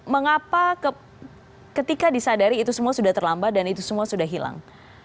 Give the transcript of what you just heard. mengapa ketika disadari itu semua sudah terlambat dan itu semua sudah hilang